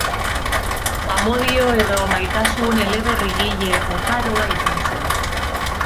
Amodio edo maitasun eleberrigile oparoa izan zen.